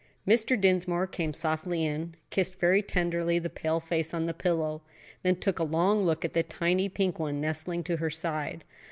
Mr. Dinsmore came softly in, kissed very tenderly the pale face on the pillow, then took a long look at the tiny pink one nestling to her side.